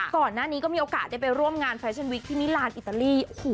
ก่อนหน้านี้ก็มีโอกาสได้ไปร่วมงานแฟชั่นวิกที่มิลานอิตาลี